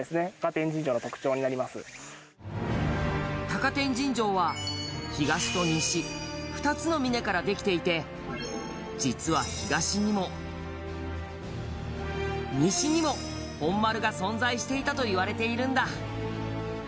高天神城は、東と西２つの峰からできていて実は、東にも、西にも本丸が存在していたといわれているんだ